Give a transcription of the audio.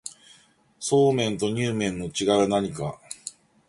そうめんとにゅう麵の違いは何か